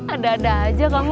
ada ada aja kamu